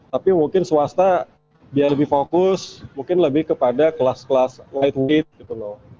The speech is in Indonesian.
tapi mungkin swasta biar lebih fokus mungkin lebih kepada kelas kelas lightweight gitu loh